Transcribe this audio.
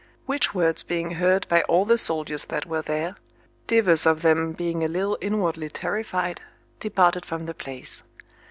Which words being heard by all the soldiers that were there, divers of them being a little inwardly terrified, departed from the place.